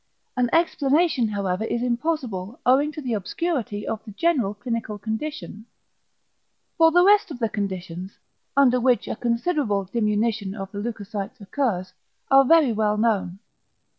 An explanation however is impossible owing to the obscurity of the general clinical condition. For the rest the conditions, under which a considerable diminution of the leucocytes occurs, are very well known.